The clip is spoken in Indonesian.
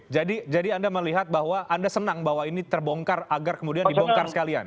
jadi anda melihat bahwa anda senang bahwa ini terbongkar agar kemudian dibongkar sekalian